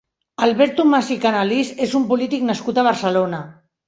Albert Tomàs i Canalís és un polític nascut a Barcelona.